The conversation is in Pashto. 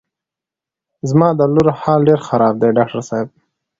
زما د لور حال ډېر خراب دی ډاکټر صاحب.